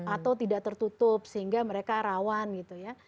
atau tidak tertutup sehingga mereka rawan gitu ya